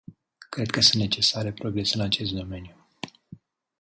Cred că sunt necesare progrese în acest domeniu.